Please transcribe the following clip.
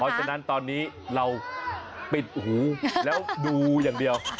ฉะนั้นตอนนี้เราปิดหูแล้วดูอย่างเดียว